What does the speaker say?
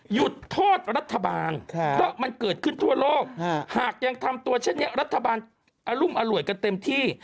หยุดโทษรัฐบาลเพราะมันเกิดขึ้นทั่วโลกหากยังทำตัวเช่นนี้รัฐบาลอรุมอร่วยกันเต็มที่